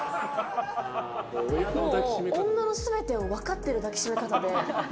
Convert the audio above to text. もう女の全てを分かっている抱きしめ方で。